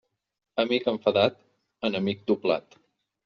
Amic enfadat, enemic doblat.